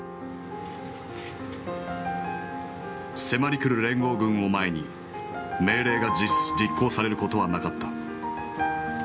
迫り来る連合軍を前に命令が実行されることはなかった。